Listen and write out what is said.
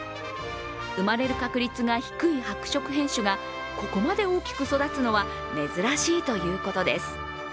生まれる確率が低い白色変種がここまで大きく育つのは珍しいということです。